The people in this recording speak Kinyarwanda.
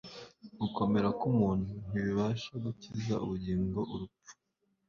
gukomera k'umuntu ntibibasha gukiza ubugingo urupfu;